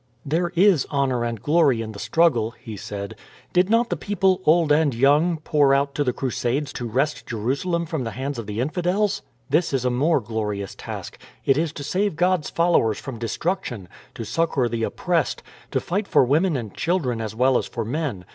"There is honour and glory in the struggle," he said. "Did not the people, old and young, pour out to the Crusades to wrest Jerusalem from the hands of the infidels? This is a more glorious task. It is to save God's followers from destruction; to succour the oppressed; to fight for women and children as well as for men.